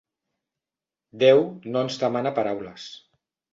Déu no ens demana paraules.